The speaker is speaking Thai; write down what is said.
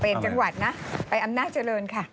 มานี่ไปจังหวัดนะไปอำนาจริงค่ะ